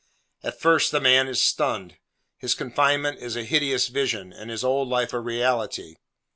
At first, the man is stunned. His confinement is a hideous vision; and his old life a reality.